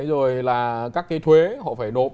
rồi là các cái thuế họ phải đột